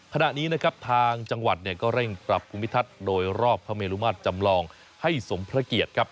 ขณะนี้ทางจังหวัดเร่งปรับภูมิทัศน์โดยรอบพระเมลุมาตรจำลองให้สมพระเกียรติ